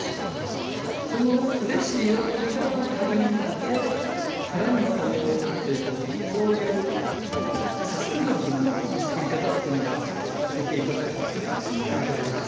そのうれしい喜びがまた励みになってさらにまた庭をつくっていこうとそういうサステナブルなつくり方っていうのが見ていただきたかったというところです。